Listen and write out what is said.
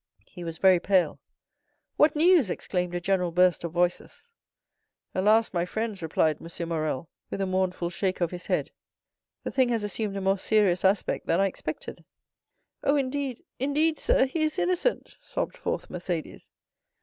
He was very pale. "What news?" exclaimed a general burst of voices. "Alas, my friends," replied M. Morrel, with a mournful shake of his head, "the thing has assumed a more serious aspect than I expected." "Oh, indeed—indeed, sir, he is innocent!" sobbed forth Mercédès.